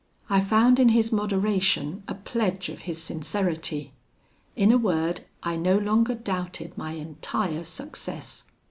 I found in his moderation a pledge of his sincerity: in a word, I no longer doubted my entire success.